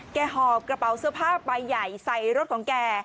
หอบกระเป๋าเสื้อผ้าใบใหญ่ใส่รถของแก